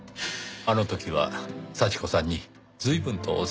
あの時は幸子さんに随分とお世話になりましたね。